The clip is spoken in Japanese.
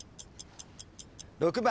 ６番。